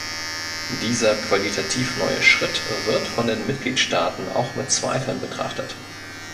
Dieser qualitativ neue Schritt wird von den Mitgliedstaaten auch mit Zweifeln betrachtet.